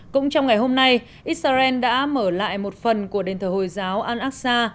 cũng trong ngày hôm nay israel đã mở lại một phần của đền thờ hồi giáo al aqsa